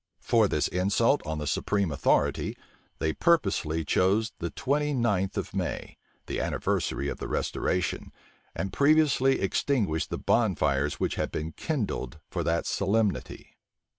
For this insult on the supreme authority, they purposely chose the twenty ninth of May, the anniversary of the restoration; and previously extinguished the bonfires which had been kindled for that solemnity.